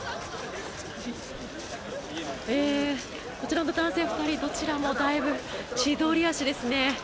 こちらの男性２人どちらもだいぶ千鳥足ですね。